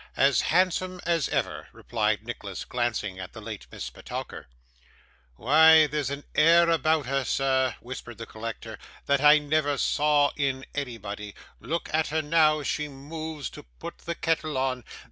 'As handsome as ever,' replied Nicholas, glancing at the late Miss Petowker. 'Why, there's air about her, sir,' whispered the collector, 'that I never saw in anybody. Look at her now she moves to put the kettle on.